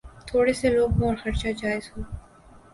تھوڑے سے لوگ ہوں اور خرچا جائز ہو۔